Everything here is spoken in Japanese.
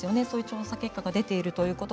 そういう調査結果が出ています。